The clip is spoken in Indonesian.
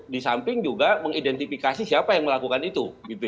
di samping juga mengidentifikasi siapa yang melakukan itu